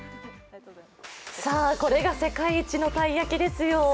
これが世界一のたい焼きですよ。